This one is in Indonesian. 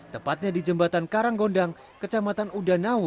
tepatnya di jembatan karanggondang kecamatan udanau